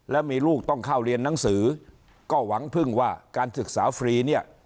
แล้วมีลูกต้องเข้าเรียนหนังสือก็หวังพึ่งว่าการศึกษาฟรีเนี่ย